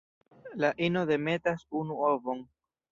La ino demetas unu ovon.